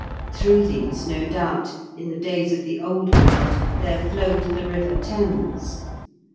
Through these, no doubt, in the days of the old world there flowed the river Thames.